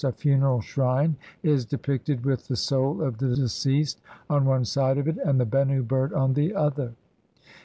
20) a funeral shrine is depicted with the soul of the deceased on one side of it, and the Bennu bird on the other.